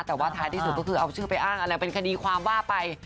แต่ในท้ายที่สุดก็คือเป็นคดีผิดความว่าไป